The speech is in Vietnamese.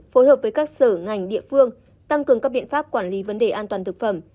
phối hợp với các sở ngành địa phương tăng cường các biện pháp quản lý vấn đề an toàn thực phẩm